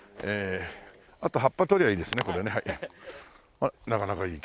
ほらなかなかいい。